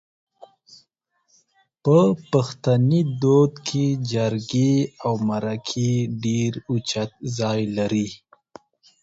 په پښتني دود کې جرګې او مرکې ډېر اوچت ځای لري